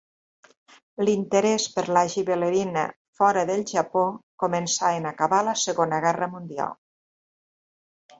L'interès per la gibberel·lina fora del Japó començà en acabar la Segona Guerra Mundial.